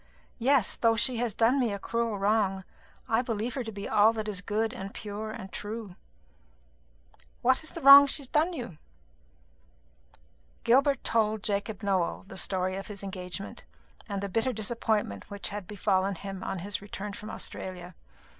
Yes, though she has done me a cruel wrong, I believe her to be all that is good and pure and true." "What is the wrong that she has done you?" Gilbert told Jacob Nowell the story of his engagement, and the bitter disappointment which had befallen him on his return from Australia.